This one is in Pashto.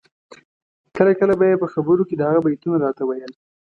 کله کله به یې په خبرو کي د هغه بیتونه راته ویل